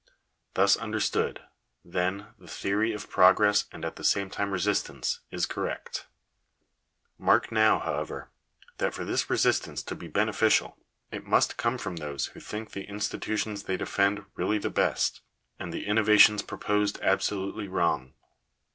Thus understood, then, the theory of " pro gress, and at the same time resistance," is correct Mark now, however, that for this resistance to be beneficial, it must come from those who think the institutions they defend really the best, and the innovations proposed absolutely wrong.